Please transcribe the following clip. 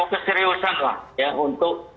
keseriusan lah ya untuk